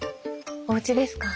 おうちですか？